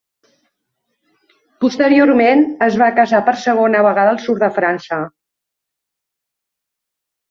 Posteriorment, es va casar per segona vegada al Sud de França.